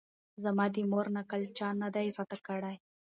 زما د مور نکل چا نه دی راته کړی